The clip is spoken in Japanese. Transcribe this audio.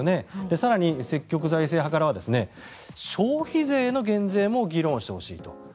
更に、積極財政派からは消費税の減税も議論をしてほしいと。